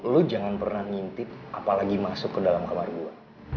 lu jangan pernah ngintip apalagi masuk ke dalam kamar gue